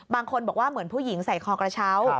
บางคนบอกว่าเหมือนผู้หญิงใส่คอกระเช้า